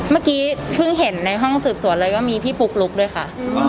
เมื่อกี้เพิ่งเห็นในห้องสืบสวนเลยก็มีพี่ปุ๊กลุ๊กด้วยค่ะ